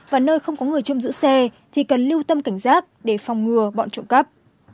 và nơi không có người chôm giữ xe thì cần lưu tâm cảnh giác để phòng ngừa bọn trộm cắp